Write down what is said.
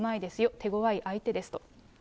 手ごわい相手ですと。